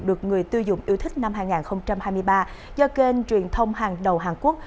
được người tiêu dùng yêu thích năm hai nghìn hai mươi ba do kênh truyền thông hàng đầu hàn quốc